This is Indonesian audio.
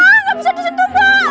enggak bisa disitu mbak